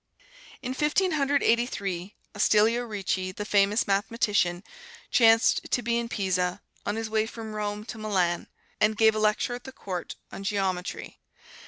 In Fifteen Hundred Eighty three, Ostilio Ricci, the famous mathematician, chanced to be in Pisa, on his way from Rome to Milan, and gave a lecture at the Court, on Geometry.